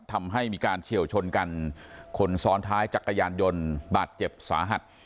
ทำให้มีการเฉียวชนกันคนซ้อนท้ายจักรยานยนต์บาดเจ็บสาหัส